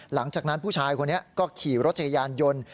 หลังจากนั้นผู้ชายคนนี้ก็ขี่รถจักรยานยนต์